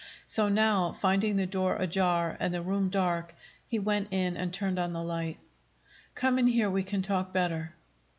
So now, finding the door ajar, and the room dark, he went in and turned on the light. "Come in here; we can talk better."